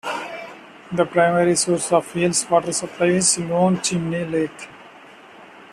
The primary source of Yale's water supply is Lone Chimney Lake.